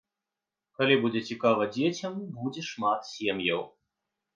Калі будзе цікава дзецям, будзе шмат сем'яў.